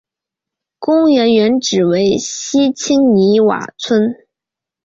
公园原址为西青泥洼村。